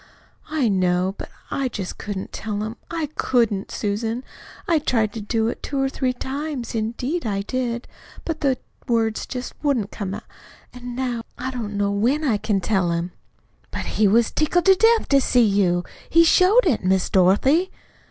"I know it. But I just couldn't tell him I COULDN'T, Susan. I tried to do it two or three times. Indeed, I did. But the words just wouldn't come. And now I don't know when I can tell him." "But he was tickled to death to see you. He showed it, Miss Dorothy."